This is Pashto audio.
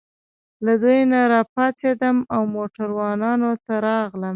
له دوی نه راپاڅېدم او موټروانانو ته راغلم.